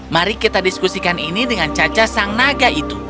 mari kita diskusikan ini dengan caca sang naga itu